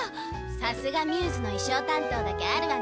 さすがμ’ｓの衣装担当だけあるわね。